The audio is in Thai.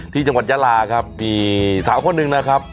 ที่จังหวัดยาลาครับมีสาวคนหนึ่งนะครับ